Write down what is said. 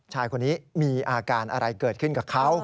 ชายคนนี้มีอาการอะไรเกิดขึ้นกับเขา